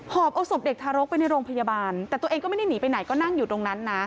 อบเอาศพเด็กทารกไปในโรงพยาบาลแต่ตัวเองก็ไม่ได้หนีไปไหนก็นั่งอยู่ตรงนั้นนะ